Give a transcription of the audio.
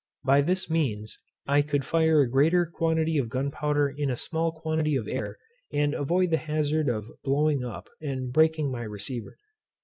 By this means I could fire a greater quantity of gunpowder in a small quantity of air, and avoid the hazard of blowing up, and breaking my receiver.